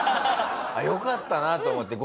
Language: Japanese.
よかったなと思って。